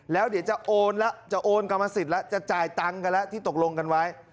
แล้วเดี๋ยวจะโอนแล้วจะโอนกรรมสิทธิ์แล้วจะจ่ายตังค์กันแล้วที่ตกลงกันไว้